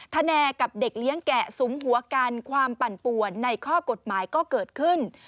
ทะแนกับเด็กเลี้ยงแกะสุมหัวกันความปั่นป่วนในข้อกฎหมายก็เกิดขึ้น